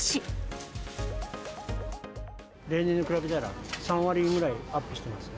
例年に比べたら、３割ぐらいアップしてます。